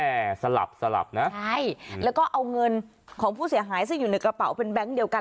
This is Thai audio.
แต่สลับสลับนะใช่แล้วก็เอาเงินของผู้เสียหายซึ่งอยู่ในกระเป๋าเป็นแบงค์เดียวกัน